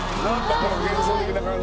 この幻想的な感じ